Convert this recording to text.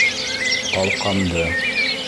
Алҡамды.